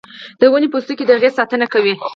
د ونې پوستکی د هغې ساتنه کوي